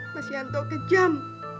mas yanto kejam